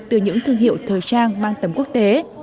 từ những thương hiệu thời trang mang tầm quốc tế